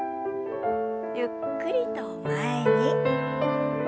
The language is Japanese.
ゆっくりと前に。